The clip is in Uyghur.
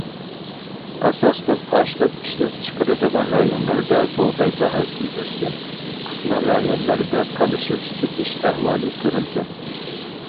ئاساسلىق ئاشلىق ئىشلەپچىقىرىدىغان رايونلاردا بۇغداي باھاسى ئۆسكەن، قىسمەن رايونلاردا تالىشىپ سېتىش ئەھۋالى كۆرۈلگەن.